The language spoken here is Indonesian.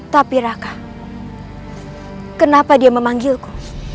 tapi raka kenapa dia memanggilku